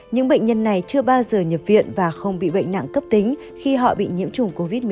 những bệnh nhân này chưa bao giờ nhập viện và không bị bệnh nặng cấp tính khi họ bị nhiễm chủng covid một mươi chín